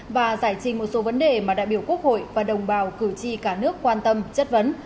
và giải trình một số vấn đề mà đại biểu quốc hội và đồng bào cử tri cả nước quan tâm chất vấn